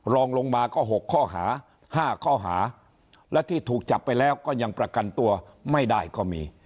รองลงมาก็๖ข้อหา๕ข้อหาและที่ถูกจับไปแล้วก็ยังประกันตัวไม่ได้ก็มี